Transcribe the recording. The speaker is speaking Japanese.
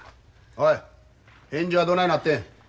おい返事はどないなってん？